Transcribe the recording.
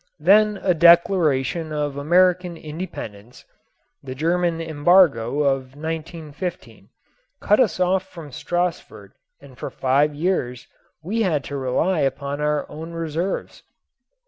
Then a declaration of American independence the German embargo of 1915 cut us off from Stassfurt and for five years we had to rely upon our own resources.